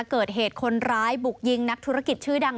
เกิดเหตุคนร้ายบุกยิงนักธุรกิจชื่อดัง